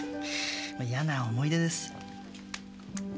嫌な思い出です。